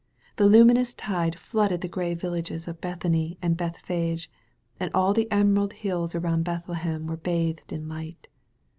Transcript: The luminous tide flooded the gray villages of Bethany and Bethphage, and all the emerald hills around Bethlehem were bathed in light.